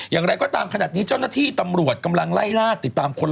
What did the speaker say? อย่างไรก็ตามขนาดนี้เจ้าหน้าที่ตำรวจกำลังไล่ล่าติดตามคน